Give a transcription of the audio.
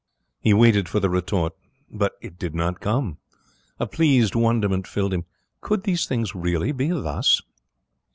He waited for the retort, but it did not come. A pleased wonderment filled him. Could these things really be thus?